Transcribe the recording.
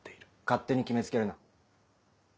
勝手に決め付けるな。